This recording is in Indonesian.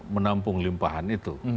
menampung limpahan itu